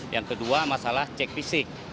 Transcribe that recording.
yang kedua masalah cek fisik